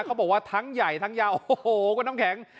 เขาบอกว่าทั้งใหญ่ทั้งยาวโอ้โหคุณน้ำแข็ง